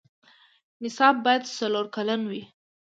نصاب باید څلور کلن وي.